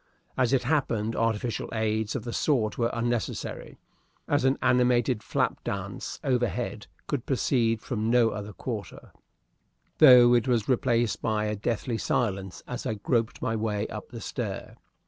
As it happened, artificial aids of the sort were unnecessary, as an animated flap dance overhead could proceed from no other quarter, though it was replaced by a deathly silence as I groped my way up the stair.